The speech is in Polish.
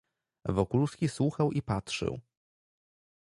"Wokulski słuchał i patrzył."